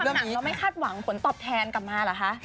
เมื่อเราทำหนังเราไม่คาดหวังผลตอบแทนกลับมาเหรอคะ